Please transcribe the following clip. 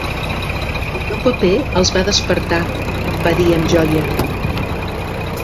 "El teu paper els va despertar", va dir amb joia.